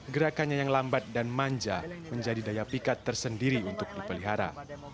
gerakannya yang lambat dan manja menjadi daya pikat tersendiri untuk dipelihara